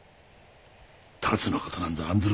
辰の事なんざ案ずるな。